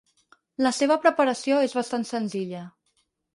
La seva preparació és bastant senzilla.